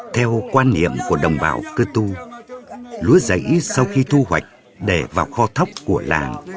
theo quan niệm của đồng bào cơ tu lúa giấy sau khi thu hoạch để vào kho thóc của làng